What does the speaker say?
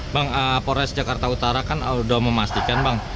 bang polres jakarta utara kan sudah memastikan bang